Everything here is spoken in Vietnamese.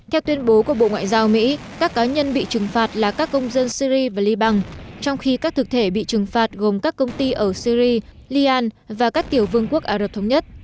theo tuyên bố của bộ ngoại giao mỹ các cá nhân bị trừng phạt là các công dân syri và liban trong khi các thực thể bị trừng phạt gồm các công ty ở syri lian và các tiểu vương quốc ả rập thống nhất